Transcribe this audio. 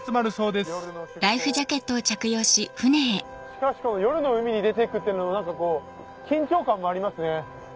しかし夜の海に出ていくっていうのも何か緊張感がありますね。